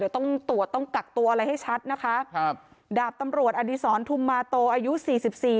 ต้องตรวจต้องกักตัวอะไรให้ชัดนะคะครับดาบตำรวจอดีศรทุมมาโตอายุสี่สิบสี่